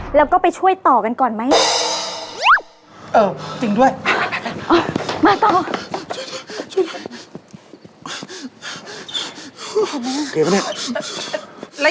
เฮ้ยโฟนสวนเหมือนกัน